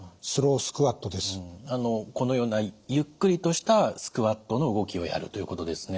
このようなゆっくりとしたスクワットの動きをやるということですね。